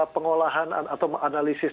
pengolahan atau analisis